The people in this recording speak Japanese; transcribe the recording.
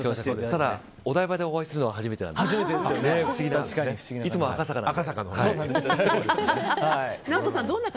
ただ、お台場でお会いするのは初めてなので不思議な。